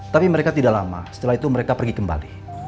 tapi mereka tidak lama setelah itu mereka pergi kembali